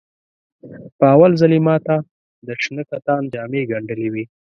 په اول ځل یې ماته د شنه کتان جامې ګنډلې وې.